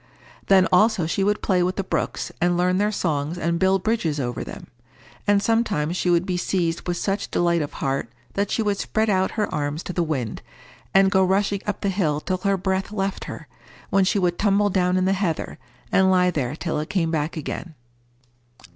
Then also she would play with the brooks, and learn their songs, and build bridges over them. And sometimes she would be seized with such delight of heart that she would spread out her arms to the wind, and go rushing up the hill till her breath left her, when she would tumble down in the heather, and lie there till it came back again.